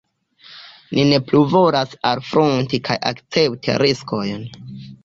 Ni ne plu volas alfronti kaj akcepti riskojn.